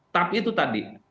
tapi itu tadi